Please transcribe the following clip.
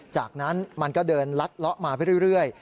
จากนั้นมันก็เดินลัดเลาะมาไปเรื่อย